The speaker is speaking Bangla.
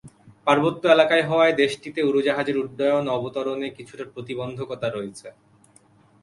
পার্বত্য এলাকা হওয়ায় দেশটিতে উড়োজাহাজের উড্ডয়ন ও অবতরণে কিছু প্রতিবন্ধকতা রয়েছে।